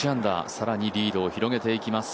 更にリードを広げていきます。